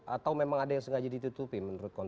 atau memang ada yang sengaja ditutupi menurut kontra